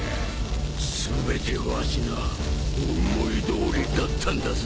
全てわしの思いどおりだったんだぞ。